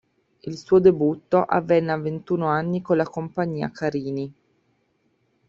Il suo debutto avvenne a ventuno anni con la compagnia Carini.